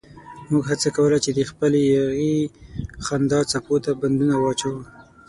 موږ هڅه کوله چې د خپلې یاغي خندا څپو ته بندونه واچوو.